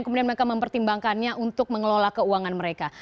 kemudian mereka mempertimbangkannya untuk mengelola keuangan mereka